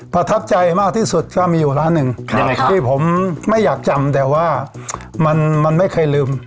ประทับใจมากที่สุดก็มีอยู่ร้านหนึ่งที่ผมไม่อยากจำแต่ว่ามันไม่เคยลืม